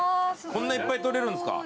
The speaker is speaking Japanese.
こんないっぱい取れるんですか？